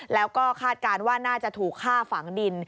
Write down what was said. แล้วก็คาดการณ์ว่าน่าจะถูกฆ่าฝังดิน